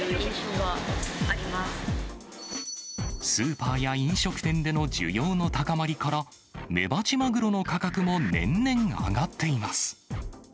ちょっと高くなってきてるかスーパーや飲食店での需要の高まりから、メバチマグロの価格も年々上がっています。